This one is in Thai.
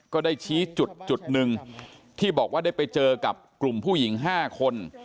ก็ได้ชี้จุดจุดหนึ่งที่บอกว่าได้ไปเจอกับกลุ่มผู้หญิง๕คน